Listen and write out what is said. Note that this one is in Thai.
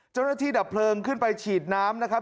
เจ้าหน้าที่ดับเพลิงขึ้นไปฉีดน้ำนะครับ